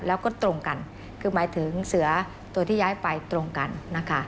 แล้วก็ตรงกันคือหมายถึงเสือตัวที่ย้ายไปตรงกันนะคะ